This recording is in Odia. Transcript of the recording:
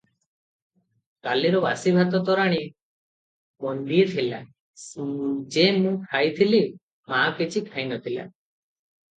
କାଲିର ବାସି ଭାତ ତୋରାଣି ମନ୍ଦିଏ ଥିଲା ଯେ ମୁଁ ଖାଇଥିଲି- ମାଆ କିଛି ଖାଇ ନଥିଲା ।